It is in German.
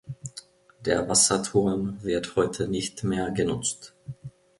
Der Wasserturm wird heute nicht mehr genutzt.